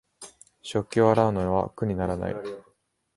食器を洗うのは苦にならない